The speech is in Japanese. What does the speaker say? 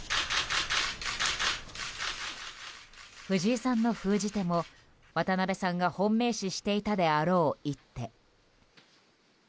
藤井さんの封じ手も渡辺さんが本命視していたであろう一手。